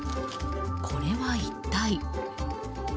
これは一体？